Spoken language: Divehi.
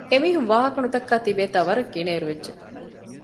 އެމީހުން ވާހަކަ ނުދައްކާ ތިބޭތާ ވަރަށް ގިނައިރު ވެއްޖެ